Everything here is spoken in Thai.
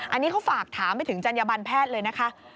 อันนี้เขาฝากถามไปถึงจัญญบันแพทย์เลยนะคะ